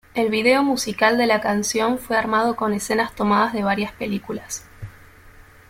El video musical de la canción fue armado con escenas tomadas de varias películas.